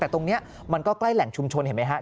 แต่ตรงนี้มันก็ใกล้แหล่งชุมชนเห็นไหมครับ